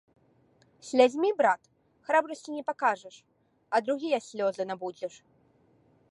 Слязьмі, брат, храбрасці не пакажаш, а другія слёзы набудзеш.